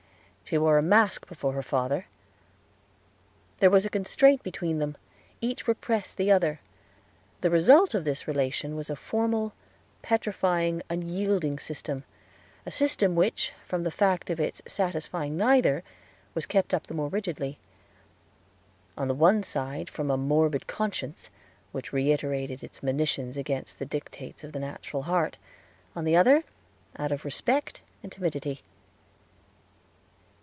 She wore a mask before her father. There was constraint between them; each repressed the other. The result of this relation was a formal, petrifying, unyielding system, a system which, from the fact of its satisfying neither, was kept up the more rigidly; on the one side from a morbid conscience, which reiterated its monitions against the dictates of the natural heart; on the other, out of respect and timidity.